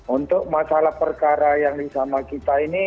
untuk masalah perkara yang disama kita ini